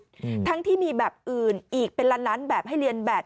อืมทั้งที่มีแบบอื่นอีกเป็นล้านล้านแบบให้เรียนแบบ